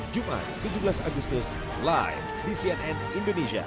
jumat tujuh belas agustus live di cnn indonesia